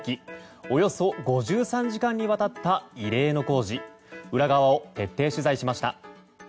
およそ５３時間にわたった異例の工事裏側を徹底取材しました。